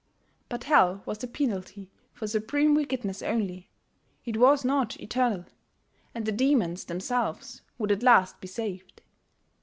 But hell was the penalty for supreme wickedness only: it was not eternal; and the demons themselves would at last be saved....